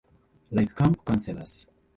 Like camp counselors.